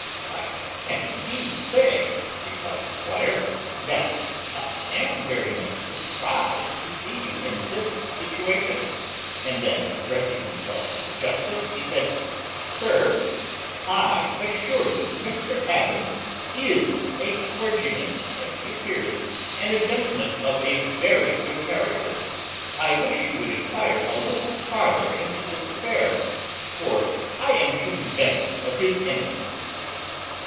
"I can indeed say," replied the squire, "that I am very much surprized to see you in this situation:" and then, addressing himself to the justice, he said, "Sir, I assure you Mr Adams is a clergyman, as he appears, and a gentleman of a very good character. I wish you would enquire a little farther into this affair; for I am convinced of his innocence."